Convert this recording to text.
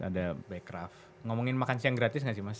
ada bekraf ngomongin makan siang gratis nggak sih mas